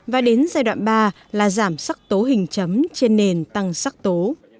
và đến giai đoạn ba là giảm sắc tố hình chấm trên nền tăng sắc tố